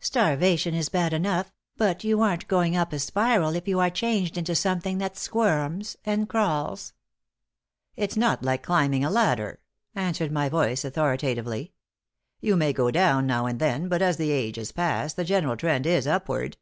Starvation is bad enough, but you aren't going up a spiral if you are changed into something that squirms and crawls." "It's not like climbing a ladder," answered my voice, authoritatively. "You may go down, now and then, but as the ages pass the general trend is upward."